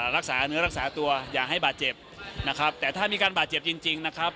รักษาเนื้อรักษาตัวอย่าให้บาดเจ็บนะครับแต่ถ้ามีการบาดเจ็บจริงนะครับ